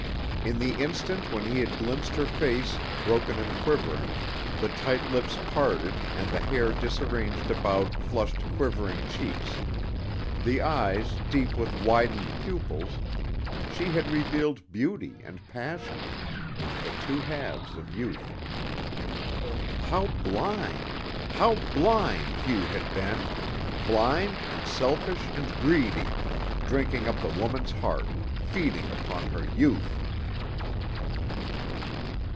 In the instant when he had glimpsed her face, broken and quivering, the tight lips parted and the hair disarranged about flushed, quivering cheeks, the eyes deep with widened pupils, she had revealed beauty and passion the two halves of youth. How blind, how blind Hugh had been, blind and selfish and greedy, drinking up the woman's heart, feeding upon her youth!